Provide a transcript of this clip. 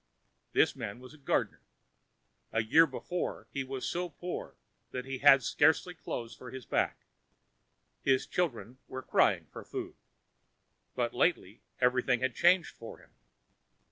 This man was a gardener. A year ago he was so poor that he had scarcely clothes for his back. His children were crying for food. But lately everything had changed for him.